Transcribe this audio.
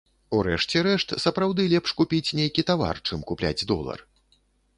У рэшце рэшт, сапраўды лепш купіць нейкі тавар, чым купляць долар.